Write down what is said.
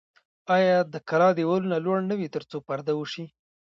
آیا د کلا دیوالونه لوړ نه وي ترڅو پرده وشي؟